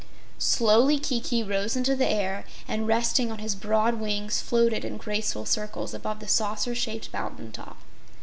Slowly Kiki rose into the air, and resting on his broad wings, floated in graceful circles above the saucer shaped mountain top.